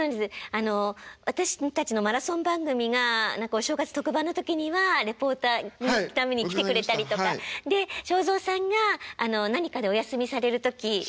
あの私たちのマラソン番組がお正月特番の時にはリポーターのために来てくれたりとかで正蔵さんが何かでお休みされる時リポーターを。